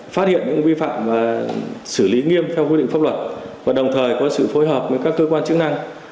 phát hiện những vi phạm và xử lý nghiêm theo quy định pháp luật và đồng thời có sự phối hợp với các cơ quan chức năng